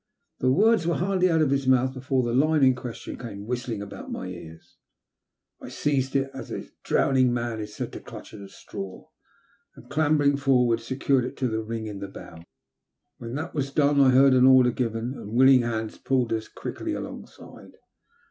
The words were hardly out of hia mouth before the line in question came whistling about my ears. I seized it as a drowning man is said to clutch at a straw, and, clambering for ward, secured it to the ring in the bows. When that was done, I heard an order given, and willing hands pulled us quickly alongside.